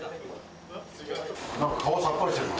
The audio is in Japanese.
何か顔、さっぱりしているな。